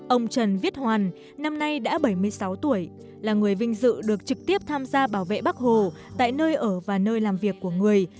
ông trần viết hoàn năm nay đã bảy mươi sáu tuổi là người vinh dự được trực tiếp tham gia bảo vệ bác hồ tại nơi ở và nơi làm việc của người